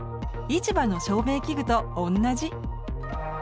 市場の照明器具と同じ。